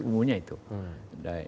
sehingga sudah dari awal sudah di